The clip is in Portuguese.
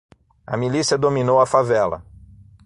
A milícia dominou a favela.